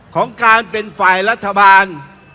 ของการเป็นฝ่ายรัฐบาล